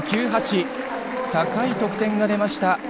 高い得点が出ました！